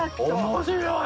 面白い！